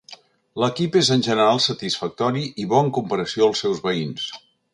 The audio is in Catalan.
L'equip és en general satisfactori i bo en comparació als seus veïns.